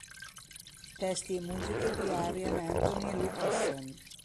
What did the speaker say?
Testi e musiche di Arjen Anthony Lucassen.